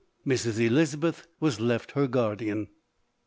Mrs. Elizabeth was left her guardian.